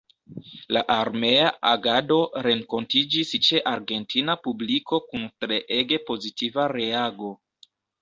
La armea agado renkontiĝis ĉe argentina publiko kun treege pozitiva reago.